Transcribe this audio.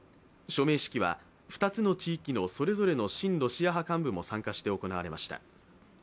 署名式は２つの地域のそれぞれの親ロシア派幹部も参加して行われました。